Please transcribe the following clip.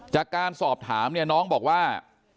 จากการสอบถามเนี่ยน้องบอกว่า